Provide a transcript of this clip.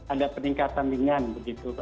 ada peningkatan di negara